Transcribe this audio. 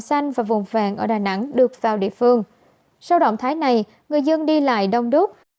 xanh và vùng vàng ở đà nẵng được vào địa phương sau động thái này người dân đi lại đông đúc